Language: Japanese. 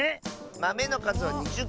まめのかずは２０こ。